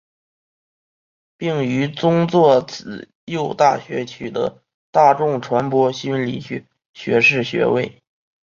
并于宗座慈幼大学取得大众传播心理学学士学位。